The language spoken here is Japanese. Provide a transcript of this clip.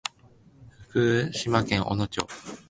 福島県小野町